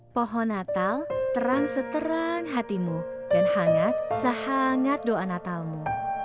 pohon natal terang seterang hatimu dan hangat sehangat doa natalmu